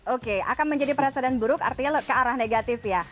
oke akan menjadi perasaan buruk artinya ke arah negatif ya